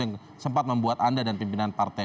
yang sempat membuat anda dan pimpinan partai